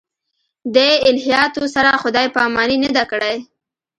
دې الهیاتو سره خدای پاماني نه ده کړې.